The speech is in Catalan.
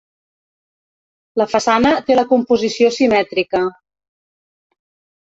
La façana té la composició simètrica.